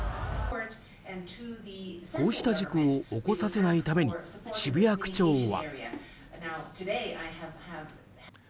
こうした事故を起こさせないために渋谷区長は。